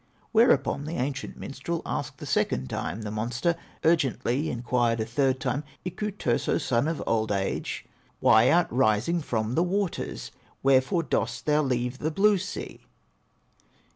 Whereupon the ancient minstrel, Asked the second time the monster, Urgently inquired a third time: "Iku Turso, son of Old age, Why art rising from the waters, Wherefore dost thou leave the blue sea?"